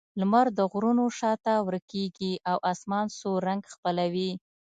لمر د غرونو شا ته ورکېږي او آسمان سور رنګ خپلوي.